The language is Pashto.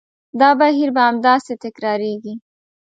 دا بهیر به همداسې تکرارېږي.